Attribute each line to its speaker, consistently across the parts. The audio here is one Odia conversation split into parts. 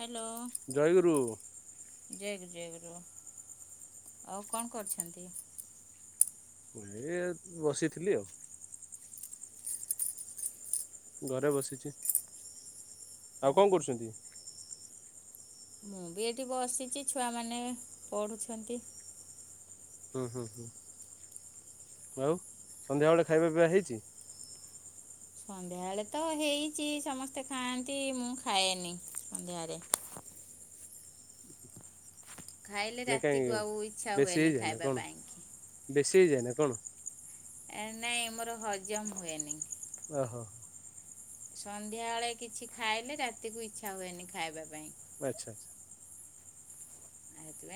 Speaker 1: ହାଲୋ।
Speaker 2: ଜୟଗୁରୁ।
Speaker 1: ଜୟଗରୁ ଜୟଗୁରୁ ଆଉ କଣ କରଛନ୍ତି?
Speaker 2: ମୁଁ ଏ ବସିଥିଲି ଆଉ। ଘରେ ବସିଛି, ଆଉ କଣ କରୁଛନ୍ତି?
Speaker 1: ମୁଁ ବି ଏଇଠି ବସିଛି ଛୁଆମାନେ ପଢ଼ୁଛନ୍ତି।
Speaker 2: ହୁଁ, ହୁଁ, ହୁଁ ଆଉ ସନ୍ଧ୍ୟାବେଳେ ଖାଇବା ପିଇବା ହେଇଛି?
Speaker 1: ସନ୍ଧ୍ୟାବେଳେ ତ ହେଇଛି ସମସ୍ତେ ଖାଆନ୍ତି ମୁଁ ଖାଏନି ସନ୍ଧ୍ୟାରେ। ଖାଇଲେ
Speaker 2: ନା କାଇଁ
Speaker 1: ରାତିକୁ ଆଉ ଇଚ୍ଛା
Speaker 2: ବେଶୀ
Speaker 1: ହୁଏନି
Speaker 2: ହେଇଯାଏ ନା
Speaker 1: ଖାଇବା
Speaker 2: କଣ
Speaker 1: ପାଇଁ।
Speaker 2: ବେଶୀ ହେଇଯାଏ ନା କଣ?
Speaker 1: ଏ ନାଇଁ ମୋର ହଜମ ହୁଏନି।
Speaker 2: ଓହୋ।
Speaker 1: ସନ୍ଧ୍ୟାବେଳେ କିଛି ଖାଇଲେ ରାତିକୁ ଇଚ୍ଛା ହୁଏନି ଖାଇବା ପାଇଁ।
Speaker 2: ଆଛା ଆଛା।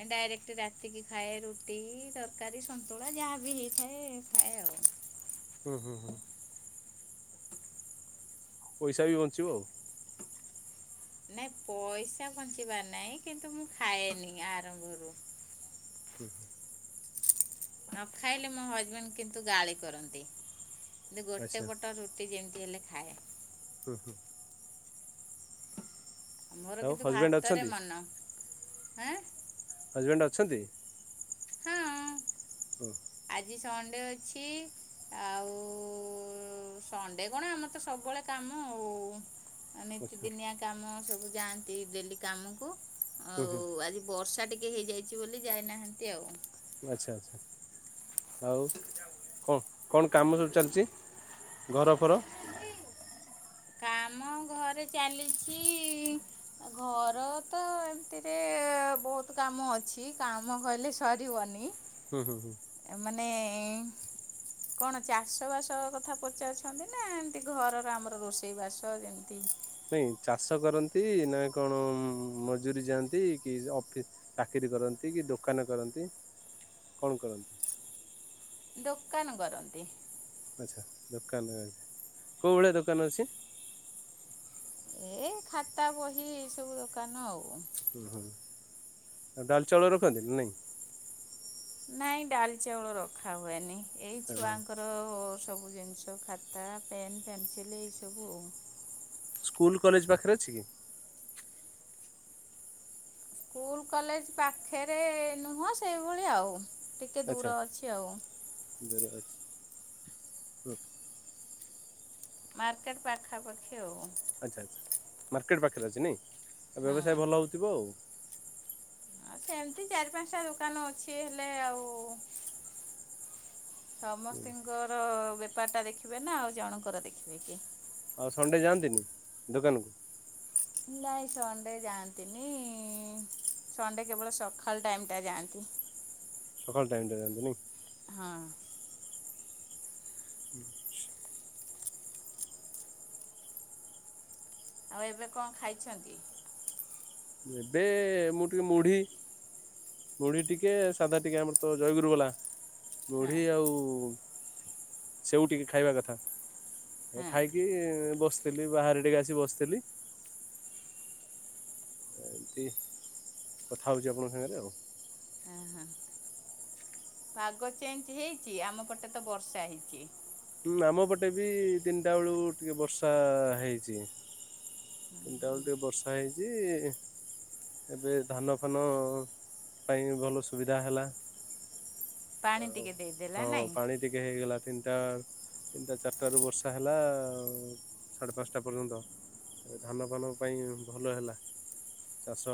Speaker 1: ଏ ଡାଇରେକ୍ଟ ରାତିକି ଖାଏ ରୁଟି, ତରକାରୀ, ସନ୍ତୁଳା ଯାହା ବିି ହେଇଥାାଏ ଖାଏ ଆଉ।
Speaker 2: ହୁଁ, ହୁଁ, ହୁଁ। ପଇସା ବି ବଞ୍ଚିବ ଆଉ।
Speaker 1: ନାଇଁ ପଇସା ବଞ୍ଚିବାର ନାହିଁ କିନ୍ତୁ ମୁଁ ଖାଏନି ଆରମ୍ଭରୁ।
Speaker 2: ହୁଁ।
Speaker 1: ନ ଖାଇଲେ ମୋ ହଜବେଣ୍ଡ କିନ୍ତୁ ଗାଳି କରନ୍ତି ଯଦି ଗୋଟେ
Speaker 2: ଆଚ୍ଛା
Speaker 1: ପଟ ରୁ ସିଏ ଯେମିତି ହେଲେ ଖାଏ।
Speaker 2: ହୁଁ, ହୁଁ।
Speaker 1: ମୋର
Speaker 2: ଆଉ
Speaker 1: କିନ୍ତୁ
Speaker 2: ହଜବେଣ୍ଡ
Speaker 1: ଭାତରେ
Speaker 2: ଅଛନ୍ତି
Speaker 1: ମନ ହାଁ।
Speaker 2: ହଜବେଣ୍ଡ ଅଛନ୍ତି?
Speaker 1: ହଁ
Speaker 2: ହୁଁ।
Speaker 1: ଆଜି ସଣ୍ଡେ ଅଛି। ଆଉ ସଣ୍ଡେ କଣ ଆମର ତ ସବୁବେଳେ କାମ ଆଉ। ନିତି
Speaker 2: ଆଚ୍ଛା
Speaker 1: ଦିନିଆ କାମ ସବୁ ଯାଆନ୍ତି ଡେଲି କାମକୁ
Speaker 2: ହୁଁ
Speaker 1: ଆଉ
Speaker 2: ହୁଁ
Speaker 1: ଆଜି ବର୍ଷା ଟିକେ ହେଇଯାଇଛି ବୋଲି ଯାଇନାହାନ୍ତି ଆଉ।
Speaker 2: ଆଚ୍ଛା ଆଚ୍ଛା। ଆଉ କଣ କଣ କାମ ସବୁ ଚାଲିଛି ଘର ଫର?
Speaker 1: କାମ ଘରେ ଚାଲିଛି ଘର ତ ଏମିତିରେ ବହୁତ୍ କାମ ଅଛି କାମ କହିଲେ ସ ସରବନି।
Speaker 2: ହୁଁ, ହୁଁ, ହୁଁ।
Speaker 1: ଏ ମାନେ ଏଁ କଣ ଚାଷ ବାସ କଥା ପଚାରୁଛନ୍ତି ନା ଏମତି ଘରର ଆମର ରୋଷେଇ ରୋସେଇ ବାସ ଯେମିତି
Speaker 2: ନାଇଁ ଚାଷ କରନ୍ତି ନା କଣ ମଜୁୁରୀ ଯାଆନ୍ତି କି ଅଫି ଚାକିରି କରନ୍ତି କି ଦୋକାନ କରନ୍ତି କଣ କରନ୍ତି?
Speaker 1: ଦୋକାନ କରନ୍ତି।
Speaker 2: ଆଚ୍ଛା ଦୋକାନରେ ଅଛି। କୋଉ ଭଳିଆ ଦୋକାନ ଅଛି?
Speaker 1: ଏ ଖାତା ବହି ଏ ସବୁ ଦୋକାନ ଆଉ।
Speaker 2: ହୁଁ ହୁଁ। ଆଉ ଡାଲି ଚାଉଳ ରଖନ୍ତି ନି ନାଇଁ?
Speaker 1: ନାଇଁ ଡାଲି ଚାଉଳ ରଖା ହୁଏନି। ଏଇ
Speaker 2: ଓହୋ
Speaker 1: ଛୁଆଙ୍କର ର ହୋ ସବୁ ଜିନିଷ ଖାତା, ପେନ୍, ପେନସିଲ୍, ଏଇ ସବୁ ଆଉ।
Speaker 2: ସ୍କୁଲ କଲେଜ ପାଖରେ ଅଛି କି?
Speaker 1: ସ୍କୁଲ କଲେଜ ପାଖେରେ ନୁହଁ। ସେଇଭଳି ଆଉ ଟିକେ
Speaker 2: ଆଚ୍ଛା
Speaker 1: ଦୂର ଅଛି ଆଉ।
Speaker 2: ଦୂର ଅଛି। ହୁଁ
Speaker 1: ମାର୍କେଟ ପାଖାପାଖି ଆଉ।
Speaker 2: ଆଚ୍ଛା ଆଚ୍ଛା ମାର୍କେଟ୍ ପାଖରେ ଅଛି ନାଇଁ।
Speaker 1: ହଁ।
Speaker 2: ବ୍ୟବସାୟ ଭଲ ହେଉଥିବ ଆଉ।
Speaker 1: ସେମତି ଚାରି ପାଞ୍ଚଟା ଦୋକାନ ଅଛି ହେଲେ ଆଉ ସମସ୍ତିଙ୍କର ବେପାର ଟା ଦେଖିବେ ନା ଆଉ ଜଣଙ୍କର ଦେଖିବେ କି।
Speaker 2: ଆଉ ସଣ୍ଡେ ଯାଆନ୍ତିନି ଦୋକାନକୁ?
Speaker 1: ନାଇଁ ସଣ୍ଡେ ଯାଆନ୍ତିନି ସଣ୍ଡେ କେବଳ ସକାଳ ଟାଇମଟା ଯାଆନ୍ତି।
Speaker 2: ସକାଳ ଟାଇମଟା ଯାଆନ୍ତି ନାଇଁ?
Speaker 1: ହଁ।
Speaker 2: ହୁଁ।
Speaker 1: ଆଉ ଏବେ କଣ ଖାଇଛନ୍ତି?
Speaker 2: ଏବେ ମୁଁ ଟିକେ ମୁଢ଼ି ମୁଢ଼ୀ ଟିକେ ସାଧା ଟିକେ ଆମର ତ ଜୟଗୁରୁ ବାଲା।
Speaker 1: ହଁ
Speaker 2: ମୁଢ଼ି ଆଉ ସେଉ ଟିକେ ଖାଇବା କଥା।
Speaker 1: ହଁ
Speaker 2: ଖାଇକ କି ବସଥିଲି ବାହାରେ ଟିକେ ଆସି ବସଥିଲି। ଏମିତି କଥା ହେଉଚି ଆପଣଙ୍କ ସାଙ୍ଗରେ ଆଉ।
Speaker 1: ହଁ ହଁ ପାଗ ଚେଞ୍ଜ ହେଇଚି ଆମ ପଟେ ତ ବର୍ଷା ହେଇଚି।
Speaker 2: ହୁଁ ଆମ ପଟେ ବି ତିନିଟା ବେଳୁ ଟିକେ ବର୍ଷା ହେଇଚି। ତିନିଟା ବେଳୁ ଟିକେ ବର୍ଷା ହେଇଚି। ଏବେ ଧାନ ଫାନ ପାଇଁ ଭଲ ସୁବିଧା ହେଲା।
Speaker 1: ପାଣି
Speaker 2: ଆଉ
Speaker 1: ଟିକେ ଦେଇଦେଲା
Speaker 2: ହଁ
Speaker 1: ନାଇଁ।
Speaker 2: ପାଣି ଟିକେ ହେଇଗଲା ତିନିଟା। ତିନିଟା ଚାରିଟାରୁ ବର୍ଷା ହେଲା ସାଢ଼େ ପାଞ୍ଚଟା ପର୍ଯ୍ୟନ୍ତ। ଏବେ ଧାନଫାନ ପାଇଁ ଭଲ ହେଲା। ଚାଷ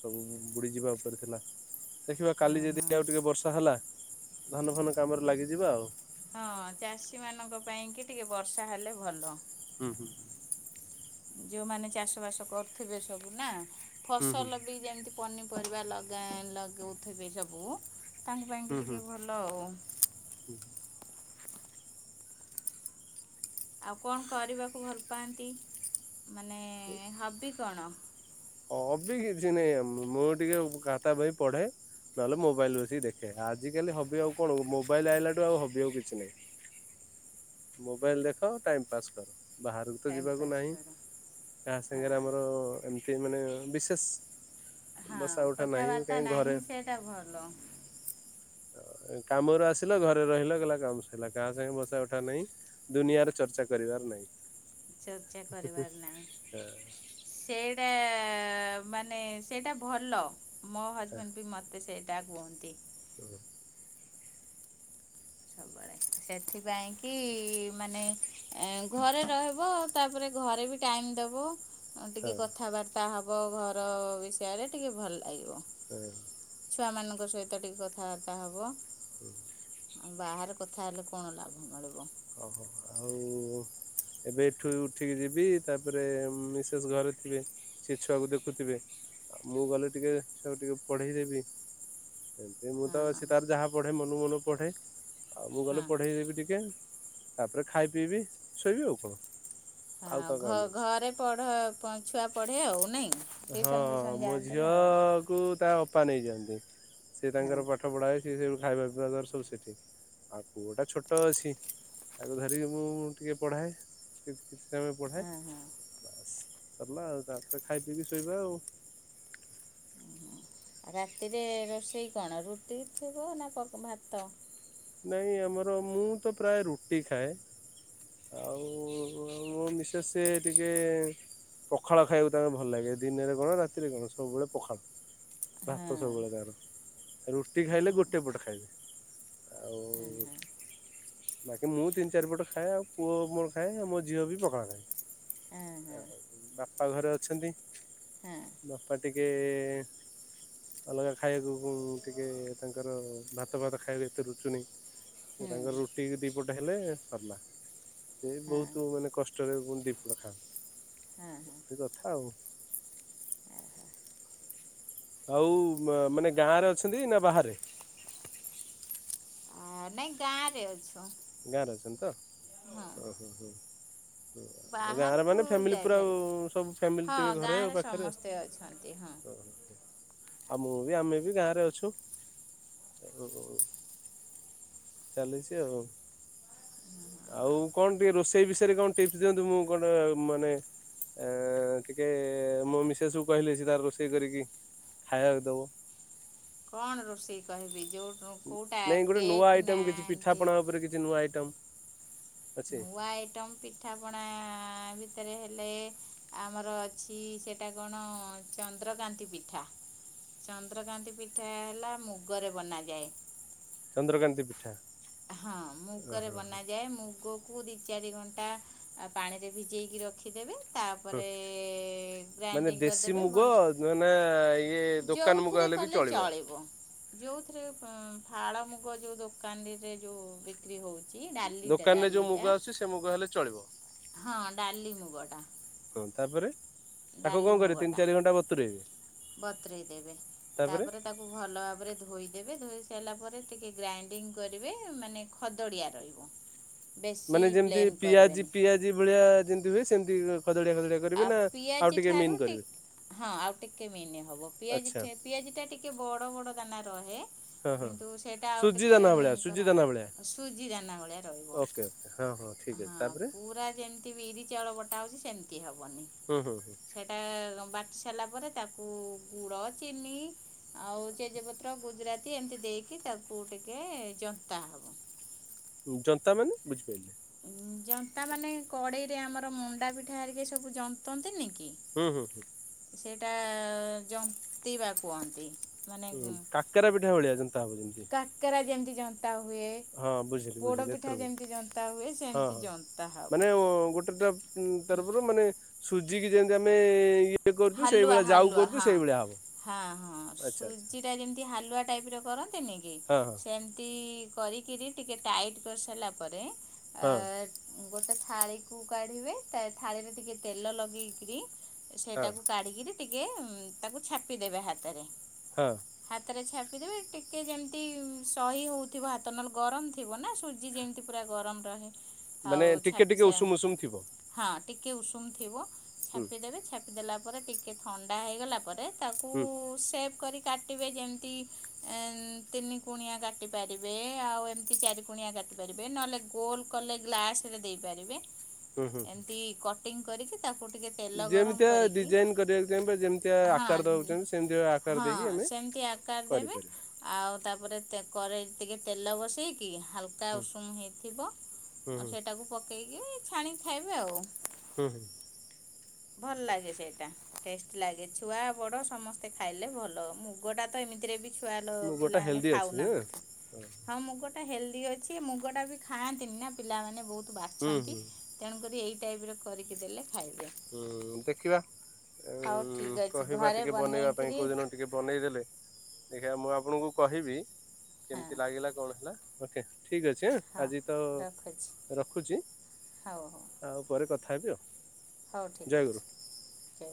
Speaker 2: ସବୁ ବୁଡ଼ିଯିବା ଉପରେ ଥିଲା। ଦେଖିବା
Speaker 1: ହଁ
Speaker 2: କାଲି ଯଦି
Speaker 1: ହଁ
Speaker 2: ଆଉ ଟିକେ ବର୍ଷା ହେଲା, ଧାନ ଫାନ କାମରେ ଲାଗିଯିଵା ଆଉ।
Speaker 1: ହଁ ଚାଷୀମାନଙ୍କ ପାଇଁ ଙ୍କି ଟିକେ ବର୍ଷା ହେଲେ ଭଲ।
Speaker 2: ହୁଁ ହୁଁ।
Speaker 1: ଯୋଉମାନୋ ଚାଷ ବାସ କରୁଥିବେ ସବୁ ନା
Speaker 2: ହୁଁ ହୁଁ
Speaker 1: ଫସଲ ବି। ଯେମତି ପନିପରିବା ଲାଗା ଲଗୋଉଥୁବେ ସବୁ। ତାଙ୍କ ପାଇଁକି
Speaker 2: ହୁଁ
Speaker 1: ଟିକେ ଭଲ ଆଉ।
Speaker 2: ହୁଁ।
Speaker 1: ଆଉ କଣ କରିବାକୁ ଭଲ ପାଆନ୍ତି, ମାନେ
Speaker 2: ଉଁ।
Speaker 1: ହବି କଣ?
Speaker 2: ହବି କିଛି ନାହିଁ ଆମ ମୁଁ ଟିକେ ଖାତା ବହି ପଢେ। ନହେଲେ ମୋବାଇଲ ବସିକି ଦେଖେ। ଆଜିକାଲି ହବି ଆଉ କଣ ମୋବାଇଲ ଆଇଲାଠୁ ଆଉ ହବି ଆଉ କିଛି ନାହିଁ।
Speaker 1: [inaudible]
Speaker 2: ମୋବାଇଲ୍ ଦେଖ ଟାଇମ୍ ପାସ୍ କର। ବାହାରକୁତ
Speaker 1: ଟାଇମ୍
Speaker 2: ଯିବାକୁ
Speaker 1: ପାସ୍
Speaker 2: ନାହିଁ
Speaker 1: କର
Speaker 2: କାହା ସାଙ୍ଗରେ
Speaker 1: ହଁ
Speaker 2: ଆମର ଏମିତି ମାନେ ବିଶେଷ୍
Speaker 1: ହଁ କଥାବାର୍ତ୍ତା ନାହିଁ
Speaker 2: ଘରେ
Speaker 1: ସେଇଟା ଭଲ।
Speaker 2: କାମରୁ ଆସିଲ ଘରେ ରହିଲ କହିଲା କାମ ସରିଲା କାହା ସାଙ୍ଗେ ବସା ଉଠା ନାହିଁ ଦୁନିଆରେ ଚର୍ଚ୍ଚା କରିବାର ନାହିଁ
Speaker 1: ଚର୍ଚ୍ଚା କରିବାର ନାହିଁ।
Speaker 2: ହଁ
Speaker 1: ସେଇଟା ମାନେ ସେଇଟା ଭଲ। ମୋ ହଜବେଣ୍ଡବି ମତେ ସେଇଟା କୁହନ୍ତି।
Speaker 2: ହୁଁ।
Speaker 1: [inaudible] ସେଥିପାଇଁକି ମାନେ ଘରେ ରହିବ ତାପରେ ଘରେବି ଟାଇମ୍ ଦବ ଆଉ ଟିକେ
Speaker 2: ହଁ
Speaker 1: କଥାବାର୍ତ୍ତା ହବ ଘର ବିଷୟରେ ଟିକେ ଭଲ ଲାଗିବ।
Speaker 2: ହୁଁ।
Speaker 1: ଛୁଆମାନଙ୍କ ସହିତ ଟିକେ କଥାବାର୍ତ୍ତା ହବ
Speaker 2: ହୁଁ।
Speaker 1: ଆଉ ବାହାରେ କଥା ହେଲେ କଣ ଲାଭ ମିଳିବ।
Speaker 2: ଓହୋ ଆଉ ଏବେ ଏଠୁ ଉଠିକି ଯିବି ତାପରେ ମିସେସ୍ ଘରେ ଥିବେ ସେ ଛୁଆକୁ ଦେଖୁଥିବେ ଆଉ ମୁଁ ଗଲେ ଟିକେ ଛୁଆକୁ ଟିକେ ପଢ଼େଇ ଦେବି ଏ ମୁଁତ
Speaker 1: ହଁ
Speaker 2: ସେତାର ଯାହା ପଢ଼େ ମନକୁ ମନ ପଢ଼େ ଆଉ ମୁଁ
Speaker 1: ହଁ
Speaker 2: ଗଲେ ପଢ଼େଇ ଦେବି ଟିକେ ତାପରେ ଖାଇବି ପିଇବି ଶୋଇବି ଆଉ କଣ। ଆଉ
Speaker 1: ହଁ
Speaker 2: କାହା
Speaker 1: ଘ
Speaker 2: କାମ ଅଛି।
Speaker 1: ଘରେ ପଢ ଛୁଆ ପଢ଼େ ଆଉ ନାଇଁ?
Speaker 2: ହଁ
Speaker 1: ଟିଉସନ୍ ଫିଉସନ୍
Speaker 2: ମୋ
Speaker 1: ଯାଆନ୍ତିନି ଆଉ
Speaker 2: ଝିଅକୁ ତା ଅପା ନେଇଯାନ୍ତି
Speaker 1: ହଁ
Speaker 2: ସେତାଙ୍କର ପା ପାଠ ପଢାଏ ସେସବୁ ଖାଇବା ପିଇବା ଦର ସବୁ ସେଠି ଆଉ ପୁଅଟା ଛୋଟ ଅଛି ତାକୁ ଧରିକି ମୁଁ ଟିକିଏ ପଢ଼ାଏ କିଛି କିଛି ସମୟ ପଢ଼ାଏ
Speaker 1: ହଁ ହଁ।
Speaker 2: ବାସ୍ ସରିଲା ଆଉ ତାପରେ ଖାଇ ପିଇକି ଶୋଇବା ଆଉ।
Speaker 1: ରାତିରେ ରୋଷେଇ କଣ ରୁଟି ଥିବନା ଭାତ?
Speaker 2: ନାଇଁ ଆମର ମୁଁତ ପ୍ରାୟେ ରୁଟି ଖାଏ ଆଉ ମୋ ମିସେସ୍ ଟିକେ ପଖାଳ ଖାଇବାକୁ ତାଙ୍କୁ ଭଲ ଲାଗେ ଦିନରେ କଣ ରାତିରେ କଣ ସବୁବେଳେ ପଖାଳ
Speaker 1: ହଁ
Speaker 2: ଭାତ ସବୁବେଳେ ତିଙ୍କର ରୁଟି ଖାଇଲେ ଗୋଟେ ପଟ ଖାଇବେ ଆଉ
Speaker 1: ହଁ ହଁ।
Speaker 2: ବାକି ମୁଁ ତିନି ଚାରିପଟ ଖାଏ ଆଉ ପୁଅ ମୋର ଖାଏ ଆଉ ମୋ ଝିଅବି ପଖାଳ ଖାଏ।
Speaker 1: ହଁ ହଁ।
Speaker 2: ଆଉ ବାପା ଘରେ ଅଛନ୍ତି।
Speaker 1: ହଁ
Speaker 2: ବାପା ଟିକେ ଅଲଗା ଖାଇବାକୁ ଟିକେ ତାଙ୍କର ଭାତ ଭାତ ଖାଇବାକୁ ଏତେ ରୁଚୁନୀ ସେ
Speaker 1: ହଁ
Speaker 2: ତାଙ୍କର ରୁଟି ଦୁଇପଟ ହେଲେ ସରିଲା। ସେ
Speaker 1: ହଁ
Speaker 2: ବହୁତ୍ ମାନେ କଷ୍ଟରେ ଦିଇପଟ ଖାଅ
Speaker 1: ହଁ ହଁ
Speaker 2: ଏଇଭଳି କଥା ଆଉ। ଆଉ ମାନେ ଗାଁରେ ଅଛନ୍ତି ନା ବାହାରେ?
Speaker 1: ହଁ ନାଇଁ ଗାଁରେ ଅଛୁ।
Speaker 2: ଗାଁରେ ଅଛନ୍ତିତ
Speaker 1: ହଁ
Speaker 2: ଓହୋ ହଁ। ହଁ ଗାଁରେ
Speaker 1: ବାହାରକୁ
Speaker 2: ମାନେ ଫ୍ୟାମିଲି ପୁରା ଆଉ
Speaker 1: ଯାଇପାରିବୁ
Speaker 2: ସବୁ ଫ୍ୟାମିଲି
Speaker 1: ହଁ
Speaker 2: ଥିବେ ଘରେ ଆଉ
Speaker 1: ଗାଁରେ
Speaker 2: ପାଖରେ
Speaker 1: ସମସ୍ତେ ଅଛନ୍ତି
Speaker 2: ହଁ।
Speaker 1: [inaudible]
Speaker 2: ଆଉ ମୁଁବି ଆମେବି ଗାଁରେ ଅଛୁ ଆଉ। ଚାଲିଛି ଆଉ। ଆଉ କଣ ଟିକିଏ ରୋଷେଇ ବିଷୟରେ କଣ ଟିପ୍ସ ଦିଅନ୍ତୁ ମୁଁ ଗୋଟେ ମାନେ? ଏଁ ଟିକିଏ ମୋ ମିସେସକୁ କହିଲେ ସେତାର ରୋଷେଇ କରିକି ଖାଇବାକୁ ଦବ।
Speaker 1: କଣ ରୋଷେଇ କହିବି ଯେୋଉ କୋଉଟା କେକନା ଏମିତି?
Speaker 2: ରେ କିଛି ନୂଆ ଆଇଟମ। ଅଛି
Speaker 1: ନୂଆ ଆଇଟମ ପିଠାପଣା ଭିତରେ ହେଲେ। ଆମର ଅଛି ସେଇଟା କଣ ଚନ୍ଦ୍ରକାନ୍ତି ପିଠା? ଚନ୍ଦ୍ରକାନ୍ତି ପିଠାହେଲା ମୁଗରେ ବନାଯାଏ।
Speaker 2: ଚନ୍ଦ୍ରକାନ୍ତି ପିଠା।
Speaker 1: ହଁ ମୁଗରେ
Speaker 2: ଓହୋ
Speaker 1: ବନାଯାଏ ମୁଗ କୁ ଦି ଚାରି ଘଣ୍ଟା ପାଣିରେ ଭିଜେଇକି ରଖିଦେବେ।
Speaker 2: ହଁ
Speaker 1: ତାପରେ ଗ୍ରାଇଣ୍ଡିଙ୍ଗ କରିଦେବେ ଭଲସ।
Speaker 2: ନୁହେଁନା ଇଏ ଦୋକାନ ମୁଗ ହେଲେବି ଚଳିବ।
Speaker 1: ଯୋଉଥିରେ ଫାଳମୁଗ ଯୋଉ ଦୋକାନରେ ଯୋଉ ବିକ୍ରି ହଉଛି। ଇଏ ଡାଲିଟା
Speaker 2: ଦୋକାନରେ ଯୋଉ ମୁଗ
Speaker 1: ଡାଲିଟା।
Speaker 2: ଆସୁଛି ସେ ମୁଗହେଲେ ଚଳିବ।
Speaker 1: ହଁ ଡାଲି ମୁଗଟା।
Speaker 2: ହଁ ତାପରେ ତାକୁ କଣ
Speaker 1: ଡାଲି
Speaker 2: କରିବି ତିନି
Speaker 1: ମୁଗଟା
Speaker 2: ଚାରିଘଣ୍ଟା ବତୁରେଇବେ?
Speaker 1: ବତୁରେଇ ଦେବେ ତାପରେ ତାକୁ ଭଲଭାବରେ ଧୋଇଦେବେ ଧୋଇ ସାରିଲା ପରେ ଟିକିଏ ଗ୍ରାଇଣ୍ଡିଙ୍ଗ କରିବେ ମାନେ ଖଦଡ଼ିଆ ରହିବ। [inaudible]
Speaker 2: ମାନେ ଯେମିତି
Speaker 1: ପ୍ଲେନ୍
Speaker 2: ପିଆଜି
Speaker 1: କରିବେନି
Speaker 2: ପିଆଜି ଭଳିଆ ଯେମିତି ହୁଏ ସେମିତି ଖଦଡିଆ ଖଦଡିଆ। କରିବେ
Speaker 1: ଆଉ
Speaker 2: ନା ଆଉ
Speaker 1: ପିଆଜି
Speaker 2: ଟିକେ
Speaker 1: ଠାରୁ
Speaker 2: ମିନ୍ କରିବେ
Speaker 1: ଟିକିଏ ହଁ ଆଉ ଟିକିଏ ମେନେ ହବ ପିଆଜି
Speaker 2: ଆଚ୍ଛା
Speaker 1: ଠା ପିଆଜଟା ଟିକିଏ ବଡ ବଡ ଦାନା ରହେ।
Speaker 2: ହଁ ହଁ
Speaker 1: କିନ୍ତୁ ସେଇଟା ଆଉ
Speaker 2: ସୁଜି
Speaker 1: ଟିକିଏ
Speaker 2: ଦାନା ଭଳିଆ
Speaker 1: ମେନ
Speaker 2: ସୁଜି ଦାନା ଭଳିଆ
Speaker 1: କରାହବ ସୁଜି ଦାନା ଭଳିଆ ରହିବ।
Speaker 2: ଠିକଅଛି ତାପରେ
Speaker 1: କି ବିରି ଚାଉଳ ବଟା ହଉଛି ସେମିତି ହବନି।
Speaker 2: ହୁଁ ହୁଁ।
Speaker 1: ସେଇଟା ବାଟି ସାରିଲାପରେ ତାକୁ ଗୁଡ ଚିନି। ଆଉ ତେଜପତ୍ର ଗୁଜୁରାତି ଏମିତି ଦେଇକି ତାକୁ ଟିକିଏ ଜନ୍ତାହବ।
Speaker 2: ଜନ୍ତା ମାନେ ବୁଝିପାଇଲିନି।
Speaker 1: ଜନ୍ତା ମାନେ କଡେଇରେ ଆମର ମଣ୍ଡାପିଠା ହେରିକି ସବୁ ଜନ୍ତନ୍ତିନିକି।
Speaker 2: ହୁଁ ହୁଁ ହୁଁ
Speaker 1: ସେଇଟା ଜନ୍ତିବା କୁହନ୍ତି। ମାନେ
Speaker 2: ହୁଁ କାକେରା ପିଠା ଭଳିଆ ଜନ୍ତା ହବ ଯେମିତି।
Speaker 1: କାକେରା ଯେମିତି ଜନ୍ତା ହୁଏ।
Speaker 2: ହଁ ବୁଝିଲି ବୁଝିଲି
Speaker 1: ପୋଡ଼ପିଠା
Speaker 2: ଏଥର
Speaker 1: ଯେମିତି ଜନ୍ତା ହୁଏ
Speaker 2: ବୁଝିଲି
Speaker 1: ସେମିତି
Speaker 2: ହଁହଁ
Speaker 1: ଜନ୍ତା ହେବ
Speaker 2: ମାନେ ଗୋଟେତ ଉୁଁ ତରଫରୁ ମାନେ ସୁଜିିକି ଯେମିତି ଆମେ ଇଏ। କରୁଛୁ
Speaker 1: ହାଲୁଆ
Speaker 2: ସେଇଭଳିଆ ଯାଉ
Speaker 1: ହାଲୁଆ
Speaker 2: କରୁଛୁ
Speaker 1: ହଁ ଅଁ।
Speaker 2: ସେଇଭଳିଆ ହବ
Speaker 1: ହଁ ହଁ
Speaker 2: ଆଚ୍ଛା ଆଚ୍ଛା।
Speaker 1: ସୁଜିଟା ଯେମିତି ହାଲୁଆ ଟାଇପର କରନ୍ତିନିକି।
Speaker 2: ହଁ ହଁ
Speaker 1: ସେମତି କରିକିରି ଟିକିଏ ଟାଇଟ କରିସାରିଲା ପରେ
Speaker 2: ହଁ
Speaker 1: ଗୋଟେ ଥାଳିକୁ କାଢିବେ ତାଥାଳିରେ ଟିକିଏ ତେଲ ଲଗେଇକିରି
Speaker 2: ହଁ
Speaker 1: ସେଟାକୁ କାଢିକିରି ଟିକିଏ ତାକୁ ଛାପିଦେବେ ହାତେରେ।
Speaker 2: ହଁ।
Speaker 1: ହାତରେ ଛାପିଦେବେ ଟିକେ ଯେମିତି ସହି ହଉଥିବ ହାତ ନହେଲେ ଗରମ ଥିବ ନା ସୁଜି ଯେମିତି ପୁରା ଗରମ ରହେ
Speaker 2: ମାନେ
Speaker 1: ଆଉ
Speaker 2: ଟିକେ ଟିକେ
Speaker 1: ଛାପିସା
Speaker 2: ଉଷୁମ ଉଷୁମ ଥିବ।
Speaker 1: ହଁ ଟିକିଏ ଉଷୁମ ଥିବ
Speaker 2: ହୁଁ
Speaker 1: ଛାପିଦେବେ ଛାପିଦେଲା ପରେ ଟିକିଏ ଥଣ୍ଡା ହେଇଗଲା ପରେ ତାକୁ
Speaker 2: ହୁଁ
Speaker 1: ସେଫ୍ କରି କାଟିବେ ଯେମିତି ତିନି କୁଣିଆ କାଟି ପାରିବେ। ଆଉ ଏମିତି ଚାରି କୁଣିଆ କାଟି ପାରିବେ ନଲେ ଗୋଲ କଲେ ଗ୍ଲାସାରେ ଦେଇପାରିବେ।
Speaker 2: ହୁଁ ହୁଁ
Speaker 1: ଏମିତି କଟିଙ୍ଗ କରିକି ତାକୁ ଟିକେ ତେଲ ଗରମ
Speaker 2: ଯେମିତିଆ
Speaker 1: କରିକି
Speaker 2: ଡିଜାଇନ କରିବାକୁ ଚାହିଁ ବା ଯେମିତି ଆକାର
Speaker 1: ହଁ
Speaker 2: ଦଉଛନ୍ତି ସେମିତି ଆକାର ଦେଇକି
Speaker 1: ହଁ
Speaker 2: ଆମେ
Speaker 1: ସେମିତି ଆକାର ଦେବେ
Speaker 2: କରିପାରିବା।
Speaker 1: ଆଉ ତାପରେ ତେ କରେଇରେ ଟିକେ ତେଲ ବସେଇକି ହାଲକା କା
Speaker 2: ହୁଁ
Speaker 1: ଉଷୁମ ହିଁ ଥିବ
Speaker 2: ହୁଁ
Speaker 1: ଆଉ
Speaker 2: ହୁଁ
Speaker 1: ସେଟାକୁ ପକେଇକି ଛାଣିକି ଖାଇବେ ଆଉ।
Speaker 2: ହୁଁ ହୁଁ।
Speaker 1: ଭଲ ଲାଗେ ସେଇଟା ଟେଷ୍ଟ ଲାଗେ। ଛୁଆ ବଡ ସମସ୍ତେ ଖାଇଲେ ଭଲ। ମୁଗ ଟା ତ ଏମିତିରେ ବି ଛୁଆ ଲ
Speaker 2: ମୁଁ ଗୋଟା
Speaker 1: ପିଲାମାନେ
Speaker 2: ହେଲ୍ଦି ଅଛି ନା।
Speaker 1: ଖାଉନାହାନ୍ତି ହଁ ମୁଗଟା ହେଲଦି ଅଛି ମୁଗଟା ବି ଖାଆନ୍ତିନି ନା ପିଲାମାନେ ବୋହୁତ
Speaker 2: ହୁଁ
Speaker 1: ବାଛନ୍ତି।
Speaker 2: ହୁଁ
Speaker 1: ତେଣୁକରି ଏଇ ଟାଇପ ର କରିକି ଦେଲେ ଖାଇବେ।
Speaker 2: ଉଁ ଦେଖିବା
Speaker 1: ହଉ
Speaker 2: ଉଁ
Speaker 1: ଠିକ୍ ଅଛି
Speaker 2: କହିବା
Speaker 1: ଘରେ
Speaker 2: ଟିକେ ବନେଇବା ପାଇଁ
Speaker 1: ବନେଇକିରି
Speaker 2: କଉ ଦିନ ଟିକେ ବନେଇଦେଲେ ଦେଖିବା ମୁଁ ଆପଣଙ୍କୁ କହିବି
Speaker 1: ହଁ
Speaker 2: କେମିତି ଲାଗିଲା କଣ ହେଲା। ଓକେ ଠିକ୍ ଅଛି ଆଁ
Speaker 1: ହଁ
Speaker 2: ଆଜି ତ
Speaker 1: ରଖୁଛି
Speaker 2: ରଖୁଛି।
Speaker 1: ହଉ ହଉ
Speaker 2: ଆଉ ପରେ କଥା ହେବି ଆଉ।
Speaker 1: ହଉ ଠିକ୍
Speaker 2: ଜୟ ଗୁରୁ।
Speaker 1: ଅଛି।